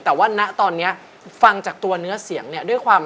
แต่ว่านะตอนนี้ฟังจากตัวเนื้อเสียงเนี่ย